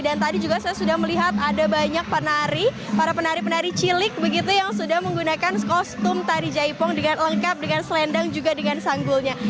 dan tadi juga saya sudah melihat ada banyak penari para penari penari cilik begitu yang sudah menggunakan kostum tari jaipong dengan lengkap dengan selendang juga dengan sanggulnya